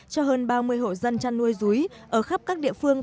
cho hơn ba mươi hộ dân chăn nuôi rúi ở khắp các địa phương